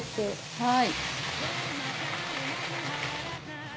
はい。